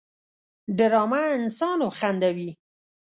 ډرامه انسان وخندوي